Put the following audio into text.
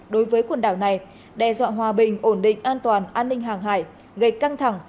đối với quần đảo này đe dọa hòa bình ổn định an toàn an ninh hàng hải gây căng thẳng